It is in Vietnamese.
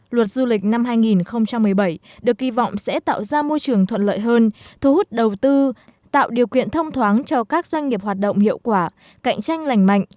luật du lịch năm hai nghìn một mươi bảy được kỳ vọng sẽ tạo ra môi trường thuận lợi hơn thu hút đầu tư tạo điều kiện thông thoáng cho các doanh nghiệp hoạt động hiệu quả cạnh tranh lành mạnh